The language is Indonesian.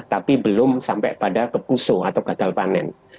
tapi belum sampai pada kepusuh atau gagal panen